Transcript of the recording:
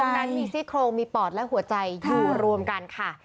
นั้นมีซี่โครงมีปอดและหัวใจอยู่รวมกันค่ะ